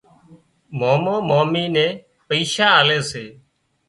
مامو مامي نين پئيشا آلي سي